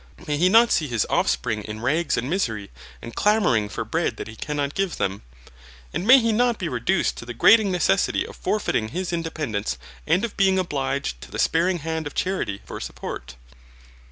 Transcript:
May he not see his offspring in rags and misery, and clamouring for bread that he cannot give them? And may he not be reduced to the grating necessity of forfeiting his independence, and of being obliged to the sparing hand of charity for support?